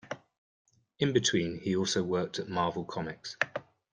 In between he also worked at Marvel Comics.